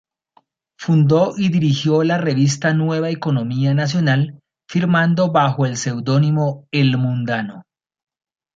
Fundó y dirigió la revista "Nueva Economía Nacional", firmando bajo el seudónimo "El Mundano".